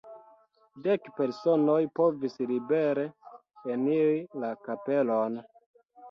Dek personoj povis libere eniri la kapelon.